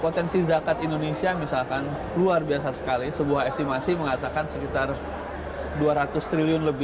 tadi saya berisi wpb